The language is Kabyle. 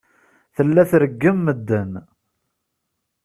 Tella treggem medden.